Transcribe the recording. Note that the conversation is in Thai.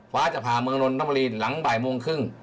ฟ้าจะผ่าเมืองนนทบุรีหลังบ่ายโมงครึ่ง